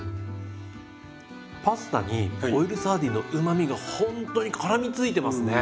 パスタにオイルサーディンのうまみがほんとにからみついてますね。